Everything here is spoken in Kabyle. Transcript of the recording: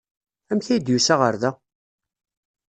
Amek ay d-yusa ɣer da?